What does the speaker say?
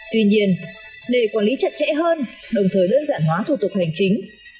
tuy nhiên để quản lý chặt chẽ hơn đồng thời đơn giản hóa thủ tục hành chính